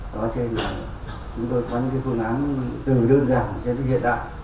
đó cho nên là chúng tôi có những cái phương án từ đơn giản cho đến hiện đại